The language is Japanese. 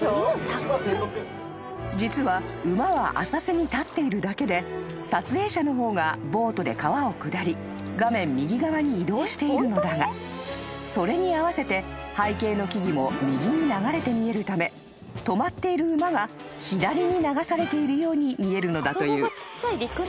［実は馬は浅瀬に立っているだけで撮影者の方がボートで川を下り画面右側に移動しているのだがそれに合わせて背景の木々も右に流れて見えるため止まっている馬が左に流されているように見えるのだという］